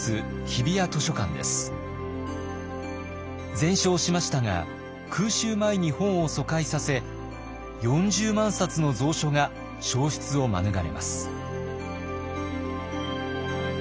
全焼しましたが空襲前に本を疎開させ４０万冊の蔵書が焼失を免れます。